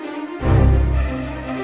nanti kita ke rumah